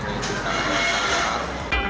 itu ikan yang asal luar